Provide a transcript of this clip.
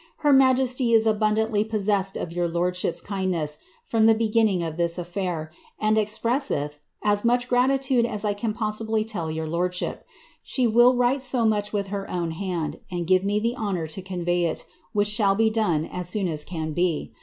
Her majesty is abundantly po$Me$$ed of jrour lord* bhip s kiitdness from the Ix^ginning of this affair, and exprosseth as much gut}* tudc as I can posfribly tell your lonUhip ; she will write so much with heron hand, and give mu the honour to convey it, which shall be done as soon as can be.